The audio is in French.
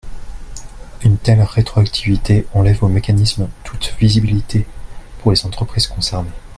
Une telle rétroactivité enlève au mécanisme toute visibilité pour les entreprises concernées.